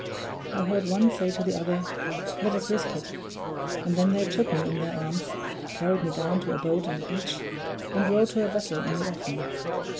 I heard one say to the other, 'Let us risk it'; and then they took me in their arms, carried me down to a boat on the beach, and rowed to a vessel in the offing.